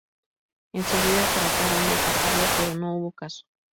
Enseguida trataron de sacarlo, pero no hubo caso.